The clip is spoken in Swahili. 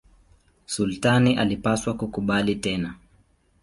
Sultani alipaswa kukubali tena.